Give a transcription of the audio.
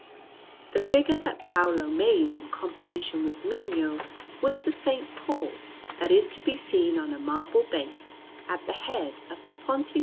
The figure that Paolo made in competition with Mino was the S. Paul that is to be seen on a marble base at the head of the Ponte S.